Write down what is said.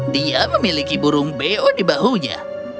dia memiliki burung beo di bahunya